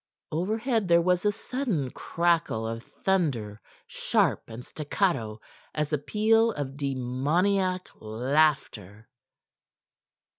Overhead there was a sudden crackle of thunder, sharp and staccato as a peal of demoniac laughter.